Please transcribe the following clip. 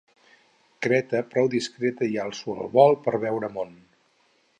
Creta, prou discreta i alço el vol per veure món!